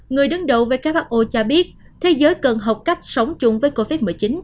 người đứng đầu who cho biết thế giới cần học cách sống chung với covid một mươi chín